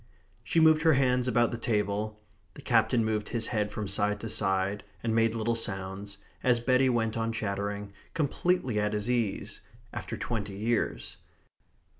She moved her hands about the table; the Captain moved his head from side to side, and made little sounds, as Betty went on chattering, completely at his ease after twenty years.